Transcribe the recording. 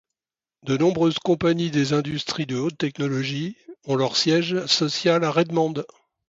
De nombreuses compagnies des industries de haute technologie ont leur siège social à Redmond.